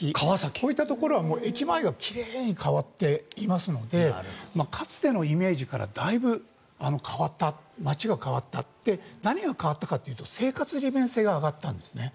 こういったところは駅前が奇麗に変わっていますのでかつてのイメージからだいぶ変わった街が変わったって何が変わったかっていうと生活利便性が上がったんですね。